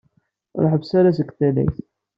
Ur ḥebbes ara seg tallayt.